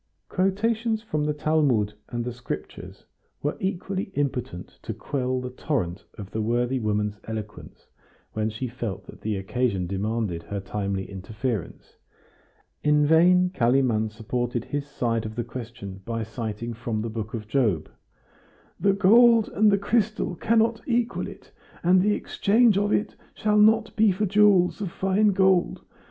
Quotations from the Talmud and the Scriptures were equally impotent to quell the torrent of the worthy woman's eloquence when she felt that the occasion demanded her timely interference; in vain Kalimann supported his side of the question by citing from the book of Job: "The gold and the crystal cannot equal it, and the exchange of it shall not be for jewels of fine gold.